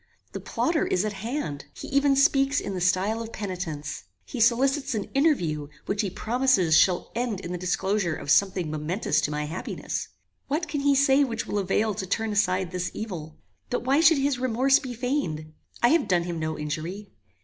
The plotter is at hand. He even speaks in the style of penitence. He solicits an interview which he promises shall end in the disclosure of something momentous to my happiness. What can he say which will avail to turn aside this evil? But why should his remorse be feigned? I have done him no injury.